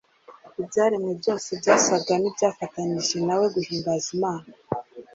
ibyaremwe byose byasaga n'ibyafatanije na we guhimbaza Imana.